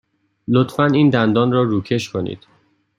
لطفاً این دندان را روکش کنید.